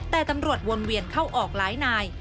แต่ตำรวจวนเวียนเข้าออกหลายนาย